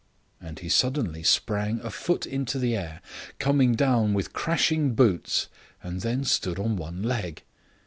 And he suddenly sprang a foot into the air, coming down with crashing boots, and then stood on one leg.